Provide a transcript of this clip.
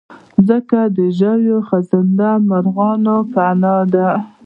مځکه د ژوي، خزنده، مرغانو پناه ده.